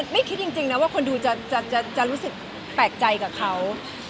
ไม่คิดจริงนะว่าคนดูจะรู้สึกแปลกใจกับเขา